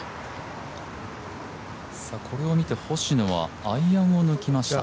これを見て星野はアイアンを抜きました。